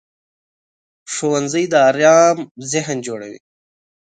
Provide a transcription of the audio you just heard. ښوونځی د ارام ذهن جوړوي